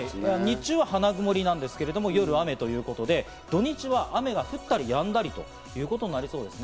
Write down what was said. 日中は花曇りなんですけど、夜は雨ということで、土日は雨が降ったりやんだりということになりそうです。